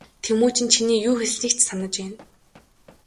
Тэмүжин чиний юу хэлснийг ч санаж байна.